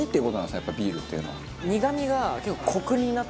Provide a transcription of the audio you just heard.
やっぱビールっていうのは。